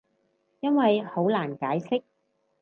因為好難解釋